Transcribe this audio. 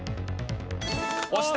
押した！